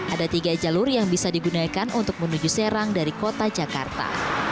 ada tiga jalur yang bisa digunakan untuk menuju serang dari kota jakarta